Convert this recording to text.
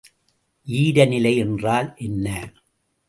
ஈரநிலை என்றால் என்ன?